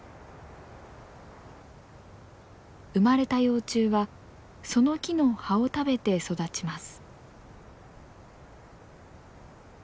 生まれた幼虫はその木の葉を食べて育ちます。